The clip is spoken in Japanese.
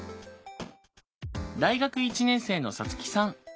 大学１年生のサツキさん。